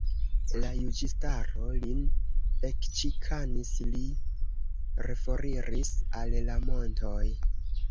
La juĝistaro lin ekĉikanis; li reforiris al la montoj.